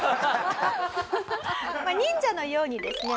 忍者のようにですね